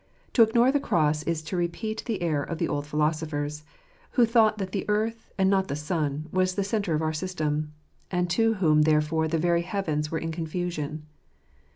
To ignore the cross is to repeat the error of the old philosophers; who thought that the earth, and not the sun, was the centre of our system, and to whom therefore the very heavens were in confusion.